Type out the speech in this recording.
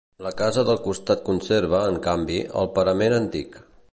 La casa del costat conserva, en canvi, el parament antic.